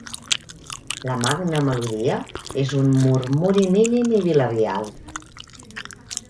La magna melodia és un murmuri mínim i bilabial.